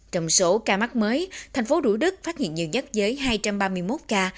trong số ca mắc mới tp hcm phát hiện nhiều nhất với hai trăm ba mươi một ca